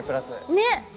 ねっ！